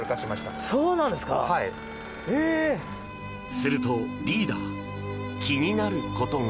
するとリーダー気になることが。